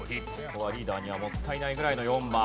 ここはリーダーにはもったいないぐらいの４番。